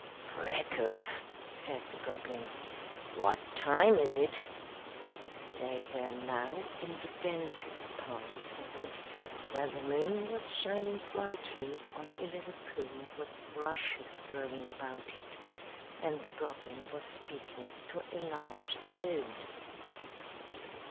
"Freckles," said the Goblin, "what time is it?" They were now in the densest part of the wood, where the moon was shining brightly on a little pool with rushes growing about it, and the Goblin was speaking to a large Toad.